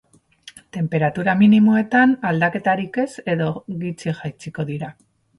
Tenperatura minimoetan aldaketarik ez edo gutxi jaitsiko dira.